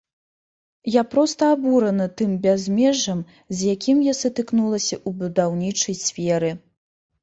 Я проста абурана тым бязмежжам, з якім я сутыкнулася ў будаўнічай сферы.